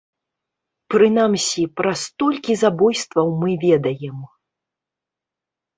Прынамсі, пра столькі забойстваў мы ведаем.